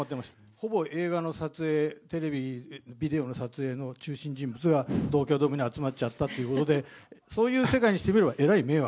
ほぼ映画の撮影、テレビ、ビデオの撮影の中心人物が東京ドームに集まっちゃってということで、そういう世界にすれば、えらい迷惑。